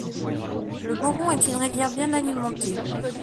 Le Boron est une rivière bien alimentée.